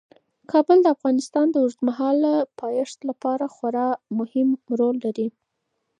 کابل د افغانستان د اوږدمهاله پایښت لپاره خورا مهم رول لري.